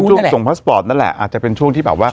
ส่งพาสปอร์ตนั่นแหละอาจจะเป็นช่วงที่แบบว่า